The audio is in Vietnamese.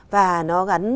và nó gắn